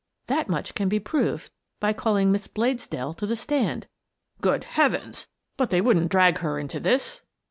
That much can be proved by calling Miss Bladesdell to the stand." "Good Heavens! But they wouldn't drag her into this?"